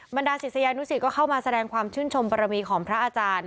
ดาศิษยานุสิตก็เข้ามาแสดงความชื่นชมบรมีของพระอาจารย์